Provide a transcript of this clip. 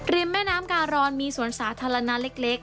ริมแม่น้ำการรมีส่วนสาธารณาเล็ก